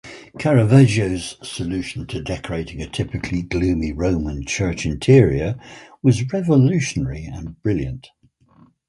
Caravaggio's solution to decorating a typically gloomy Roman church interior was revolutionary and brilliant.